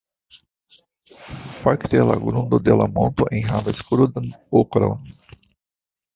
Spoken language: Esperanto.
Fakte, la grundo de la monto enhavas krudan okron.